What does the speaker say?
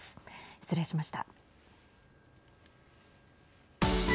失礼しました。